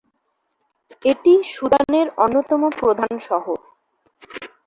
এটি সুদানের অন্যতম প্রধান শহর।